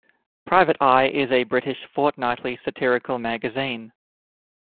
Private Eye is a British fortnightly satirical magazine.